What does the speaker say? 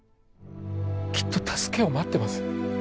きっと助けを待ってます